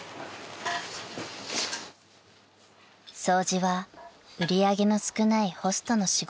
［掃除は売り上げの少ないホストの仕事］